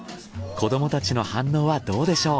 子どもたちの反応はどうでしょう？